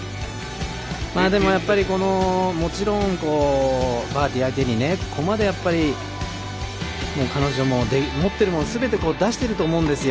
でも、やっぱりもちろんバーティ相手に彼女も持ってるものすべて出してると思うんですよ。